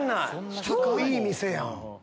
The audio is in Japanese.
超いい店やん。